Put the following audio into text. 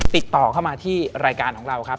ติดต่อเข้ามาที่รายการของเราครับ